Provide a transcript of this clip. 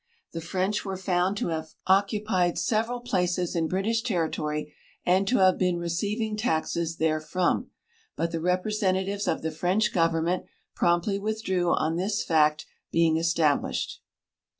Tiie French were found to have occu pied several i)laces in British territory and to have been receiving taxes therefrom, but the representatives of the French government i>romptly withdrew on this fact being established.